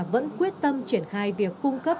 vẫn quyết tâm triển khai việc cung cấp